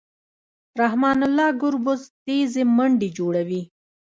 رحمن الله ګربز تېزې منډې جوړوي.